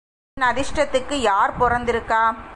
உன் அதிஷ்டத்துக்கு யார் பொறந்திருக்கா.